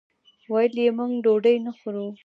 ویل یې موږ ډوډۍ نه خورو.